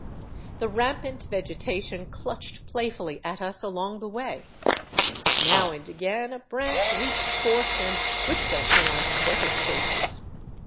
The rampant vegetation clutched playfully at us along the way ; now and again a branch reached forth and whipped us in our sweated faces.